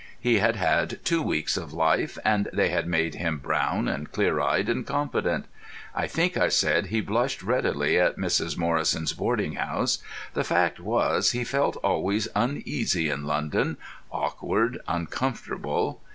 He had had two weeks of life, and they had made him brown and clear eyed and confident. I think I said he blushed readily in Mrs. Morrison's boarding house; the fact was he felt always uneasy in London, awkward, uncomfortable.